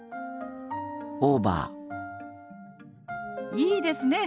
いいですね。